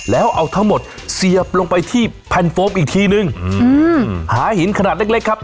แล้วเอาทั้งหมดเสียบลงไปที่แผ่นโฟมอีกทีนึงหาหินขนาดเล็กเล็กครับ